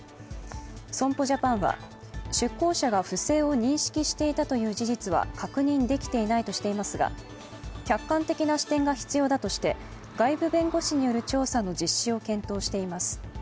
損保ジャパンは出向者が不正を認識していたという事実は確認できていないとしていますが客観的な視点が必要だとして外部弁護士による調査の実施を検討しています。